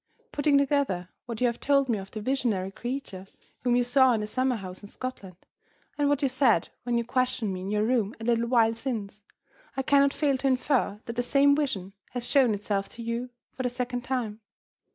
"Putting together what you have told me of the visionary creature whom you saw in the summer house in Scotland, and what you said when you questioned me in your room a little while since, I cannot fail to infer that the same vision has shown itself to you, for the second time.